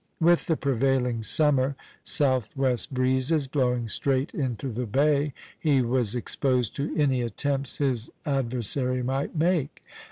With the prevailing summer southwest breezes blowing straight into the bay, he was exposed to any attempts his adversary might make.